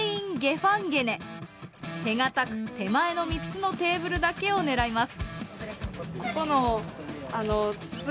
手堅く手前の３つのテーブルだけを狙います。